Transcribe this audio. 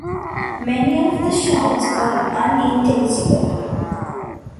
Many of the shouts were unintelligible.